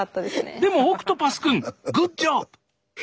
でもオクトパス君グッジョブ！